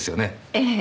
ええ。